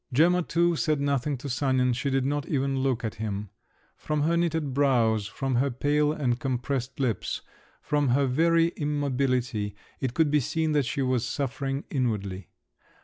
Gemma too said nothing to Sanin, she did not even look at him; from her knitted brows, from her pale and compressed lips, from her very immobility it could be seen that she was suffering inwardly.